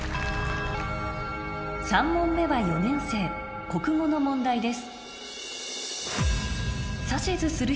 ３問目は４年生国語の問題です